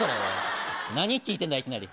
何聞いてるんだ、いきなり。